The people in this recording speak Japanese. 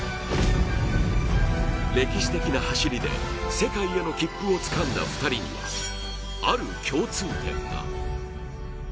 歴史的な走りで世界への切符をつかんだ２人にはある共通点が。